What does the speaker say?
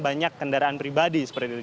banyak kendaraan pribadi seperti itu